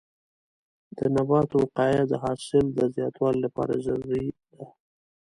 د نباتو وقایه د حاصل د زیاتوالي لپاره ضروري ده.